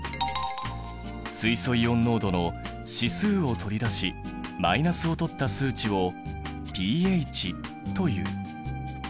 水素イオン濃度の指数を取り出しマイナスを取った数値をｐＨという。